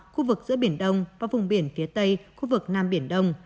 khu vực giữa biển đông và vùng biển phía tây khu vực nam biển đông